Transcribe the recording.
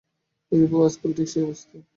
ইউরোপেও আজকাল ঠিক সেই অবস্থা উপস্থিত।